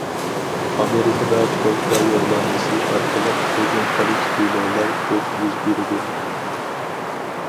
ئامېرىكىدا پوچتا يوللانمىسى ئارقىلىق ھۇجۇم قىلىش دېلولار كۆپ يۈز بېرىدۇ.